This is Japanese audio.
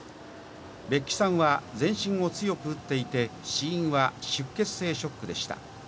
別城さんは全身を強く打っていて、死因は出血性ショックでした。